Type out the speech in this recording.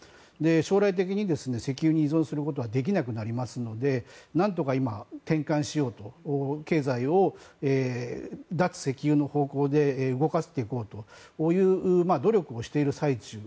将来的に石油に依存することはできなくなりますので何とか今、転換しようと経済を脱石油の方向で動かしていこうという努力をしている最中。